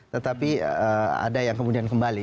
tetapi ada yang kemudian kembali